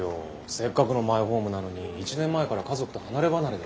せっかくのマイホームなのに１年前から家族と離れ離れで。